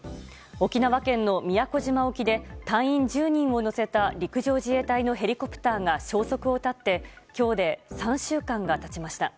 沖縄県の宮古島沖で隊員１０人を乗せた陸上自衛隊のヘリコプターが消息を絶って今日で３週間が経ちました。